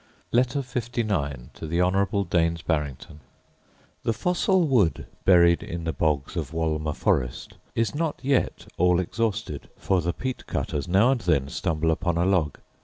I am, etc. Letter LIX To The Honourable Daines Barrington The fossil wood buried in the bogs of Wolmer forest is not yet all exhausted, for the peat cutters now and then stumble upon a log.